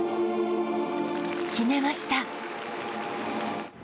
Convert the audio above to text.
決めました。